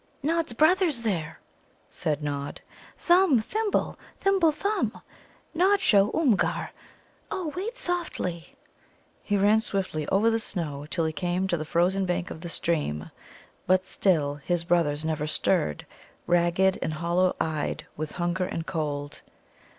"Nod's brothers, there," said Nod "Thumb, Thimble, Thimble, Thumb. Nod show Oomgar. Oh, wait softly!" He ran swiftly over the snow till he came to the frozen bank of the stream. But still his brothers never stirred, ragged and hollow eyed with hunger and cold.